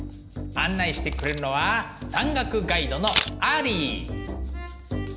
案内してくれるのは山岳ガイドのアリー。